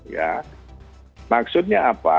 ya maksudnya apa